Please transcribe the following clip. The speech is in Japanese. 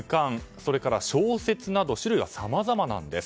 それから小説など種類はさまざまなんです。